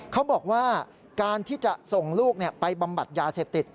เขาบอกว่าการที่จะส่งลูกไปบำบัดยาเสพติด